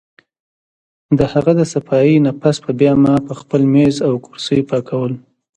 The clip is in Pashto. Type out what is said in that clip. د هغه د صفائي نه پس به بیا ما خپل مېز او کرسۍ پاکول